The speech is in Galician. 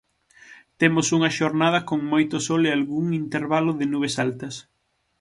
Temos unha xornada con moito sol e algún intervalo de nubes altas.